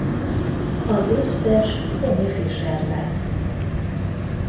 A győztes Connie Fisher lett.